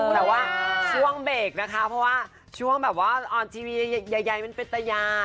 แต่ว่าช่วงเบรกนะคะเพราะว่าช่วงออนทีวีใหญ่เป็นประตะยาน